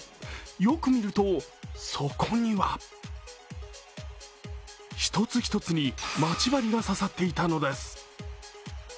よく見ると、そこには一つ一つにまち針が刺さっていたのです。